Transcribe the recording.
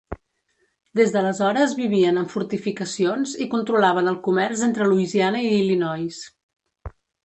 Des d'aleshores vivien en fortificacions i controlaven el comerç entre Louisiana i Illinois.